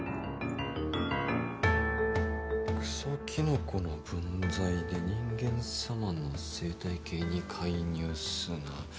「クソキノコの分際で人間様の生態系に介入すな」。